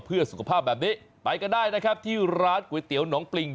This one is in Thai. เพื่อสุขภาพแบบนี้ไปก็ได้นะครับที่ร้านก๋วยเตี๋ยวหนองปริง